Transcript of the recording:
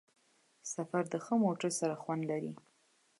سفر د ښه موټر سره خوند لري.